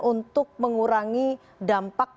untuk mengurangi dampak